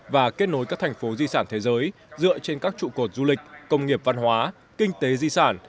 và kết nối các thành phố di sản thế giới dựa trên các trụ cột du lịch công nghiệp văn hóa kinh tế di sản